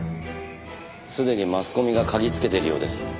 すでにマスコミが嗅ぎつけているようです。